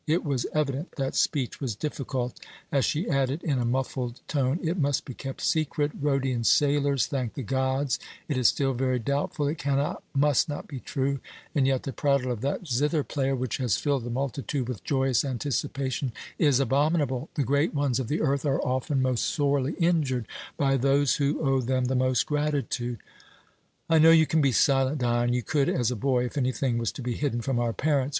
It was evident that speech was difficult, as she added in a muffled tone: "It must be kept secret Rhodian sailors thank the gods, it is still very doubtful it cannot, must not be true and yet the prattle of that zither player, which has filled the multitude with joyous anticipation, is abominable the great ones of the earth are often most sorely injured by those who owe them the most gratitude. I know you can be silent, Dion. You could as a boy, if anything was to be hidden from our parents.